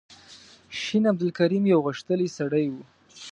شین عبدالکریم یو غښتلی سړی و.